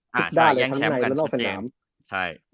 คลิกด้านในและออกสนาม